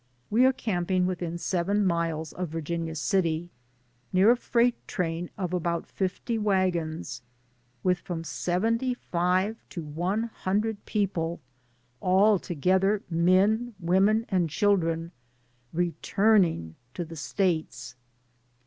We are camping within seven miles of Virginia City, near a freight train of about fifty wagons, with from seventy five to one hundred people all together, men, women and children, returning to the States.